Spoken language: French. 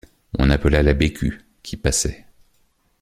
On appela la Bécu, qui passait.